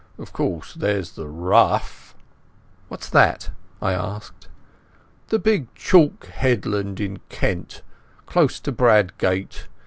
Of course, there's the Ruff—" "What's that?" I asked. "The big chalk headland in Kent, close to Bradgate.